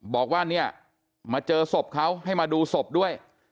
บอกว่าเนี่ยมาเจอศพเขาให้มาดูศพด้วย